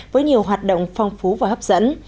với nhiều hoạt động phong phú và hấp dẫn